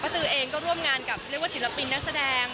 ปปัตตือเองก็ร่วมงานกับศิลปินนักแสดงเยอะมากนะคะ